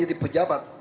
kalau meminjam woods itu